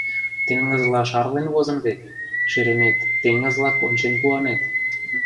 Теҥызла шарлен возын вет, шеремет, теҥызлак, ончен куанет.